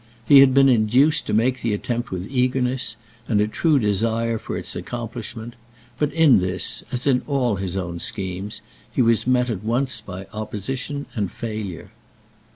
He had been induced to make the attempt with eagerness, and a true desire for its accomplishment; but in this, as in all his own schemes, he was met at once by opposition and failure.